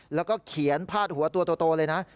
แล้วก็เขียนพาดหัวตัวโตเลยนะ